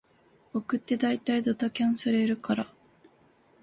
僕ってだいたいドタキャンされるから